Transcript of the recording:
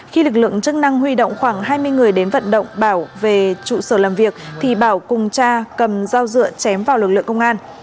khi lực lượng chức năng huy động khoảng hai mươi người đến vận động bảo về trụ sở làm việc thì bảo cùng cha cầm dao dựa chém vào lực lượng công an